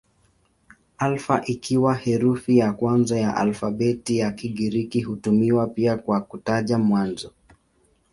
Alfa ikiwa herufi ya kwanza ya alfabeti ya Kigiriki hutumiwa pia kwa kutaja mwanzo.